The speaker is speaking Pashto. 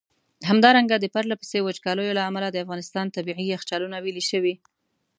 همدارنګه د پرله پسي وچکالیو له امله د افغانستان ٪ طبیعي یخچالونه ویلي شوي.